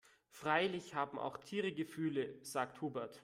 Freilich haben auch Tiere Gefühle, sagt Hubert.